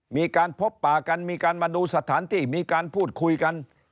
มีการพบป่ากันมีการมาดูสถานที่มีการพูดคุยกัน